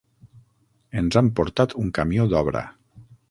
Ens han portat un camió d'obra.